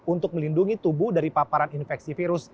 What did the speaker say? untuk melindungi tubuh dari paparan infeksi virus